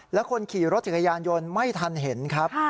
แล้วคนขี่รถจักรยานยนต์ไม่ทันเห็นครับ